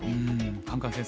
カンカン先生